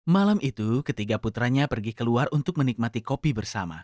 malam itu ketiga putranya pergi keluar untuk menikmati kopi bersama